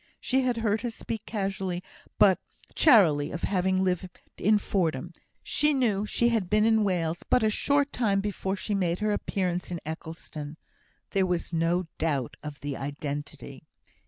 She had heard her speak casually, but charily, of having lived in Fordham. She knew she had been in Wales but a short time before she made her appearance in Eccleston. There was no doubt of the identity.